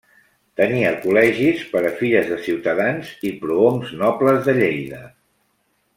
Tenia col·legis per a filles de ciutadans i prohoms nobles de Lleida.